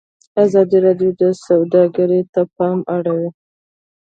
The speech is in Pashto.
ازادي راډیو د سوداګري ته پام اړولی.